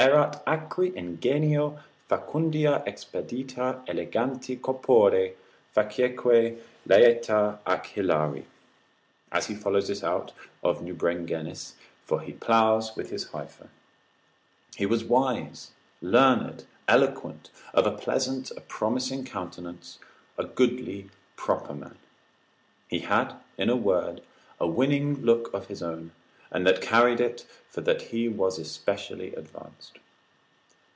Erat acri ingenio, facundia expedita eleganti corpore, facieque laeta ac hilari, (as he follows it out of Nubrigensis, for he ploughs with his heifer,) he was wise, learned, eloquent, of a pleasant, a promising countenance, a goodly, proper man; he had, in a word, a winning look of his own, and that carried it, for that he was especially advanced.